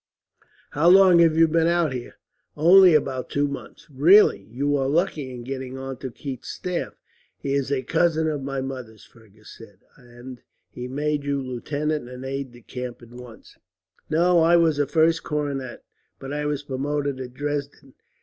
"How long have you been out here?" "Only about two months." "Really! You are lucky in getting onto Keith's staff." "He is a cousin of my mother's," Fergus said. "And he made you lieutenant, and aide de camp, at once." "No. I was first a cornet, but I was promoted at Dresden.